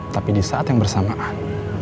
tapi di saat yang bersamaan